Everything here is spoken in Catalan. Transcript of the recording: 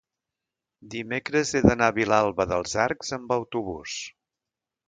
dimecres he d'anar a Vilalba dels Arcs amb autobús.